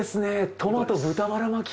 トマト豚バラ巻き。